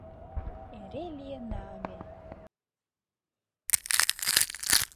Эре лийына ме